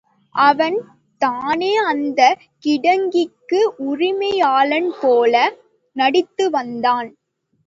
அவன், தானே அந்தக் கிட்டங்கிக்கு உரிமையாளன்போல நடித்து வந்தான்.